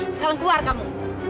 sekarang keluar kamu